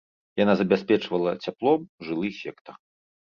Яна забяспечвала цяплом жылы сектар.